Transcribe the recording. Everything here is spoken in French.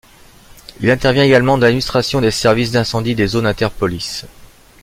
Il intervient également dans l'administration des services d'incendie et des zones interpolices.